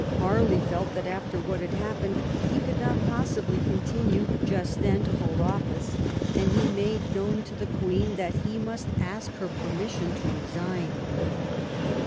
Harley felt that after what had happened he could not possibly continue just then to hold office, and he made known to the Queen that he must ask her permission to resign.